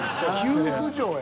急浮上や。